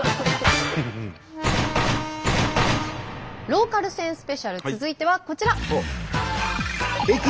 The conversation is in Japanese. ローカル線スペシャル続いてはこちら！